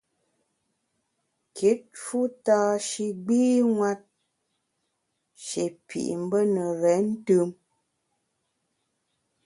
Kit fu tâ shi gbînwet, shi pit mbe ne renntùm.